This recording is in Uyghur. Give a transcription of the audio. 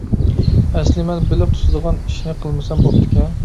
ئەسلى مەن بېلىق تۇتىدىغان ئىشنى قىلمىسام بوپتىكەن.